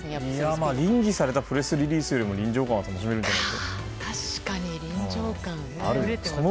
稟議されたプレスリリースよりも臨場感が楽しめるんじゃないでしょうか。